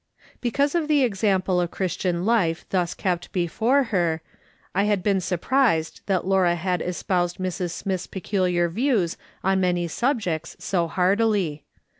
Because of the example of Christian life thus kept before her, I had been surprised that Laura had espoused Mrs. Smith's peculiar views on many subjects so heartily.